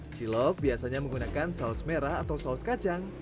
cilok biasanya menggunakan saus merah atau saus kacang